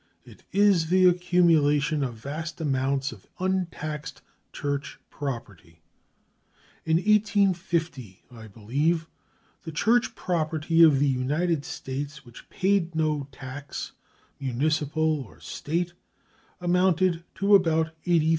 It is the accumulation of vast amounts of untaxed church property. In 1850, I believe, the church property of the United States which paid no tax, municipal or State, amounted to about $83,000,000.